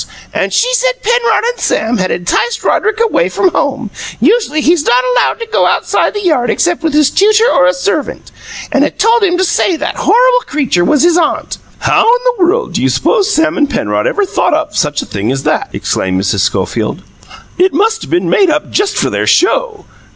And she said Penrod and Sam had enticed Roderick away from home usually he's not allowed to go outside the yard except with his tutor or a servant and had told him to say that horrible creature was his aunt " "How in the world do you suppose Sam and Penrod ever thought of such a thing as THAT!" exclaimed Mrs. Schofield. "It must have been made up just for their 'show.'